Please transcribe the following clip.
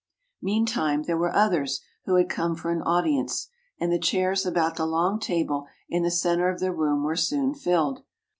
Meantime, there were others who had come for an audience, and the chairs about the long table in the centre of the room were soon filled.